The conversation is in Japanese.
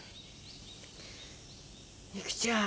育ちゃん。